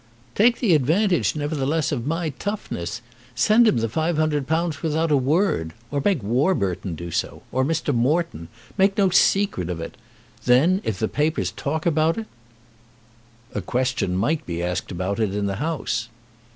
"Take the advantage, nevertheless, of my toughness. Send him the £500 without a word, or make Warburton do so, or Mr. Moreton. Make no secret of it. Then if the papers talk about it " "A question might be asked about it in the House."